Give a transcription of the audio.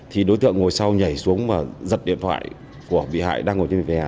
thì đối tượng ngồi sau nhảy xuống và giật điện thoại của bị hại đang ngồi trên vỉa hè